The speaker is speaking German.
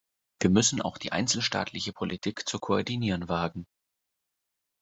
Wir müssen auch die einzelstaatliche Politik zu koordinieren wagen.